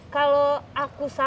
kalau aku sendiri